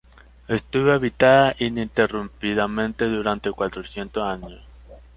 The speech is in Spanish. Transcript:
Estuvo habitada ininterrumpidamente durante cuatrocientos años.